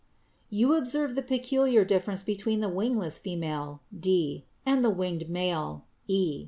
You observe the peculiar difference between the wingless female, d, and the winged male, e.